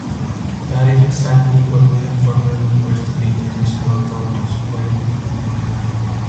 That is exactly what we have formally requested the international authorities weigh in on.